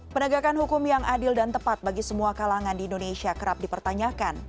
penegakan hukum yang adil dan tepat bagi semua kalangan di indonesia kerap dipertanyakan